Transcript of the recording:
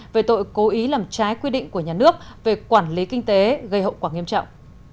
về tội cố ý làm trái quy định của nhà nước về quản lý kinh tế gây hậu quả nghiêm trọng